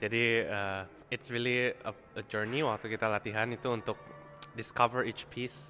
jadi itu benar benar perjalanan waktu kita latihan itu untuk menemukan setiap lagu